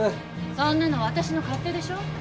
そんなの私の勝手でしょ。